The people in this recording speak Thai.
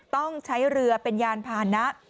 ต้องใช้เรือเป็นยานพานะ